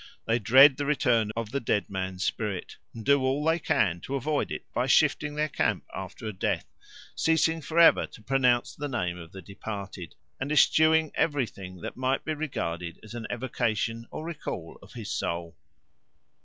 They dread the return of the dead man's spirit, and do all they can to avoid it by shifting their camp after a death, ceasing for ever to pronounce the name of the departed, and eschewing everything that might be regarded as an evocation or recall of his soul.